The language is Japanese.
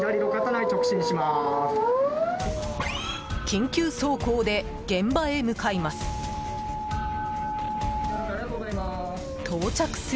緊急走行で現場へ向かいます。